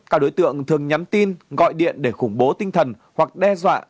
các đối tượng thường nhắn tin gọi điện để khủng bố tinh thần hoặc đe dọa